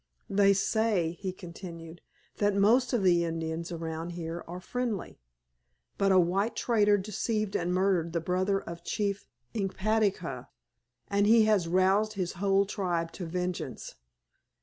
"They say," he continued, "that most of the Indians around here are friendly, but a white trader deceived and murdered the brother of Chief Inkpaducah, and he has roused his whole tribe to vengeance."